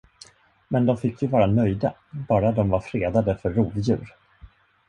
Men de fick ju vara nöjda, bara de var fredade för rovdjur.